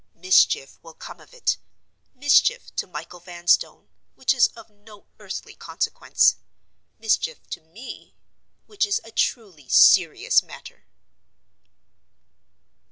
Mischief will come of it—Mischief to Michael Vanstone—which is of no earthly consequence: mischief to Me—which is a truly serious matter.